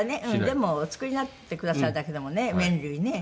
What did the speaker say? でもお作りになってくださるだけでもね麺類ね。